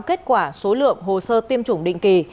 kết quả số lượng hồ sơ tiêm chủng định kỳ